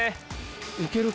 いけるか？